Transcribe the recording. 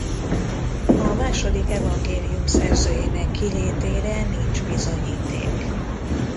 A második evangélium szerzőjének kilétére nincs bizonyíték.